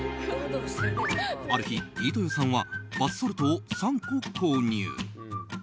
ある日、飯豊さんはバスソルトを３個購入。